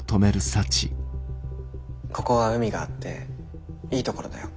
ここは海があっていい所だよ。